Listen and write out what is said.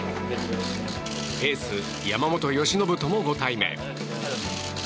エース山本由伸ともご対面。